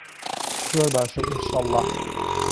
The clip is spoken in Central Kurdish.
زۆر باشە ئینشەڵا.